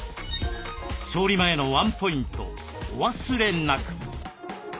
調理前のワンポイントお忘れなく！